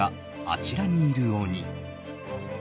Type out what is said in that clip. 「あちらにいる鬼」。